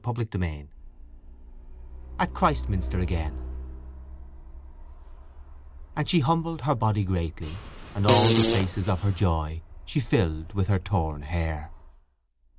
Part Sixth AT CHRISTMINSTER AGAIN _"… And she humbled her body greatly, and all the places of her joy she filled with her torn hair."